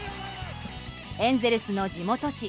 エンゼルスの地元紙